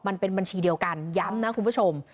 มันเป็นบัญชีเดียวกันย้ำนะคุณผู้ชม